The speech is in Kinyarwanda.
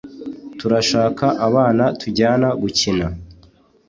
turashaka abana tujyana gukina